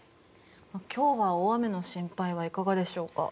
今日は大雨の心配はいかがでしょうか。